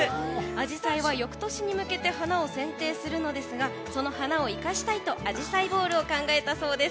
アジサイは翌年に向けて花を選定しますがその花を生かしたいとアジサイボールを考えたそうです。